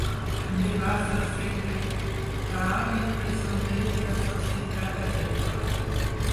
També va ser secretari-tresorer de la Societat Agrícola.